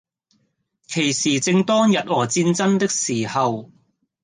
其時正當日俄戰爭的時候，